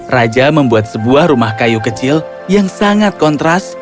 raja membuat sebuah rumah kayu kecil yang sangat kontras